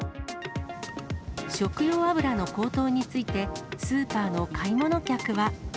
食用油の高騰について、スーパーの買い物客は。